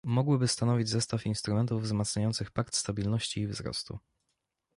Mogłyby stanowić zestaw instrumentów wzmacniających Pakt stabilności i wzrostu